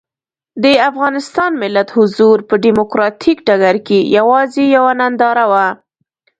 د افغانستان ملت حضور په ډیموکراتیک ډګر کې یوازې یوه ننداره وه.